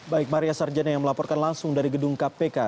baik maria sarjana yang melaporkan langsung dari gedung kpk